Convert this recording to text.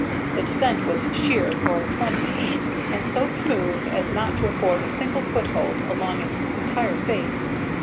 The descent was sheer for twenty feet, and so smooth as not to afford a single foothold along its entire face.